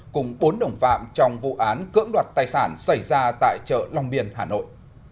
cùng bốn đồng phạm trong vụ án cưỡng đoạt tài sản xảy ra tại chợ long biên hà nội